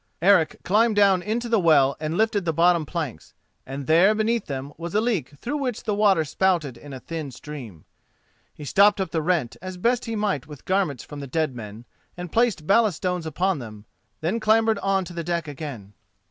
Eric climbed down into the well and lifted the bottom planks, and there beneath them was a leak through which the water spouted in a thin stream. He stopped up the rent as best he might with garments from the dead men, and placed ballast stones upon them, then clambered on to the deck again.